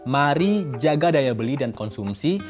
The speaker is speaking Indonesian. mari jaga daya beli dan konsumsi